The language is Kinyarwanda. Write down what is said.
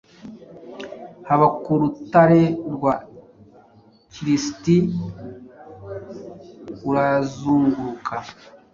Haba ku rutare rwa kirisiti urazunguruka,